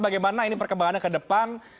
bagaimana ini perkembangannya ke depan